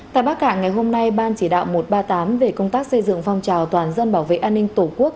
tại bắc cạn ngày hôm nay ban chỉ đạo một trăm ba mươi tám về công tác xây dựng phong trào toàn dân bảo vệ an ninh tổ quốc